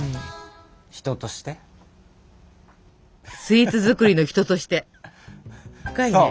深いねスイーツ作りの人として。